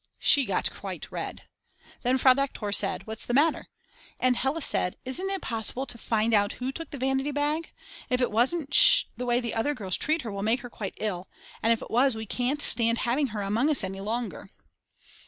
She got quite red. Then Frau Doktor said: "What's the matter?" And Hella said: "Isn't it possible to find out who took the vanity bag? If it wasn't Sch. the way the other girls treat her will make her quite ill, and if it was we can't stand having her among us any longer."